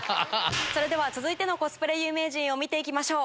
それでは続いてのコスプレ有名人見ていきましょう。